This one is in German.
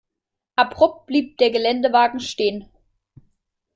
Abrupt blieb der Geländewagen stehen.